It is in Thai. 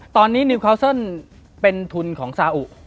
ตอนนี้นิวคาวเซิลเป็นทุนของซาอุ